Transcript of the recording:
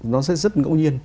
nó sẽ rất ngẫu nhiên